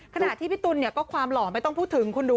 ขณะที่พี่ตุ๋นเนี่ยก็ความหล่อไม่ต้องพูดถึงคุณดู